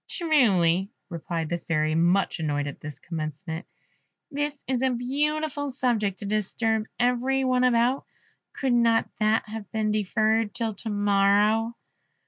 "Truly," replied the Fairy, much annoyed at this commencement, "this is a beautiful subject to disturb every one about; could not that have been deferred till to morrow?"